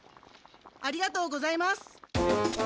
ありがとうございます。